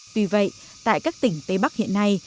tuy vậy tại các tỉnh tây bắc hiện nay